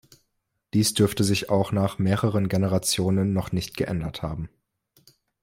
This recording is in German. Dies dürfte sich auch nach mehreren Generationen noch nicht geändert haben.